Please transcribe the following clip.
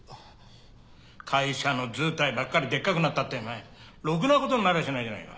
会社の図体ばっかりでっかくなったってお前ろくなことになりゃしないじゃないか。